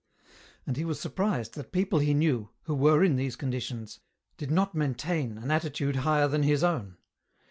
And he was surprised that people he knew, who were in these conditions, did not maintain an attitude higher than his own.